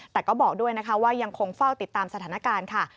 แต่ก็บอกด้วยนะคะว่ายังคงเฝ้าติดตามสถานการณ์ค่ะ